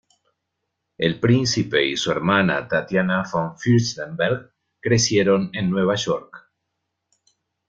El príncipe y su hermana Tatiana von Fürstenberg crecieron en Nueva York.